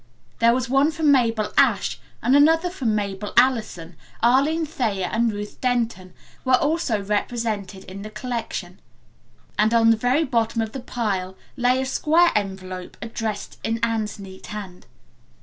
There was one from Mabel Ashe and another from Mabel Allison, Arline Thayer and Ruth Denton were also represented in the collection and on the very bottom of the pile lay a square envelope addressed in Anne's neat hand.